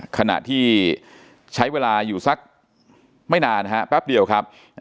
ขณะที่ใช้เวลาอยู่สักไม่นานนะฮะแป๊บเดียวครับ